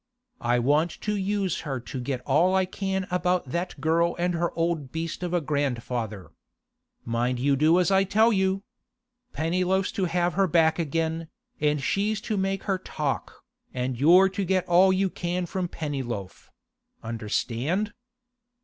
I want to use her to get all I can about that girl and her old beast of a grandfather. Mind you do as I tell you. Pennyloaf's to have her back again, and she's to make her talk, and you're to get all you can from Pennyloaf—understand?